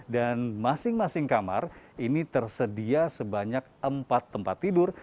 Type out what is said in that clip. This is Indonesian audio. dan masing masing kamar ini tersedia sebanyak empat tempat tidur